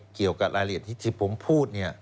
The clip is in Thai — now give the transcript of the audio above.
เกี่ยวกับรายละเอียดที่ผมพูดเนี่ย